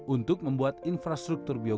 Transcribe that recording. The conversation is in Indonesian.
untuk membuat infrastruktur biogas